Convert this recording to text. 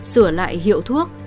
sửa lại hiệu thuốc